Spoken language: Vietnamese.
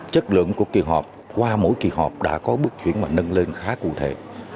chất lượng của kỳ họp qua mỗi kỳ họp đã có bước chuyển và nâng lên khá cụ thể